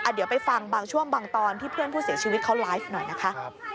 เดี๋ยวไปฟังบางช่วงบางตอนที่เพื่อนผู้เสียชีวิตเขาไลฟ์หน่อยนะคะ